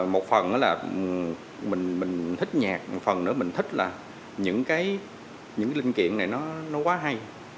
một phần là mình thích nhạc một phần nữa mình thích là những cái những cái linh kiện này nó quá hay